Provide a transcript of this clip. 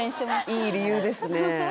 いい理由ですね